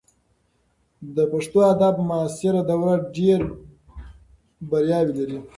د پښتو ادب معاصره دوره ډېر بریاوې لري.